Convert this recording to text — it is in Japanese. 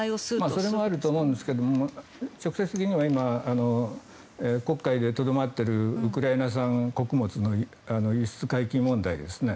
それもあると思うんですけど直接的には黒海でとどまっているウクライナ産穀物の輸出解禁問題ですね。